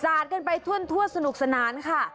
สาดกันไปทั่วน์ทั่วสนุกสนานค่ะ